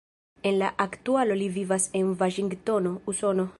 En la aktualo li vivas en Vaŝingtono, Usono.